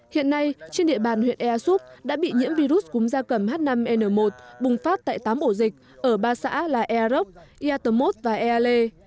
hiện nay trên địa bàn huyện ea xúc đã bị nhiễm virus cúm gia cầm h năm n một bùng phát tại tám bộ dịch ở ba xã là ea rốc ea tâm mốt và ea lê